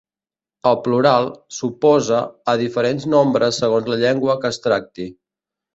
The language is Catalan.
El plural s'oposa a diferents nombres segons la llengua que es tracti.